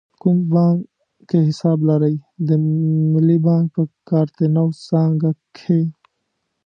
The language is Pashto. کوم بانک کې حساب لرئ؟ د ملی بانک په کارته نو څانګه کښی